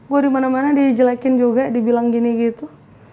gue dimana mana dijelekin juga dibilang gini gitu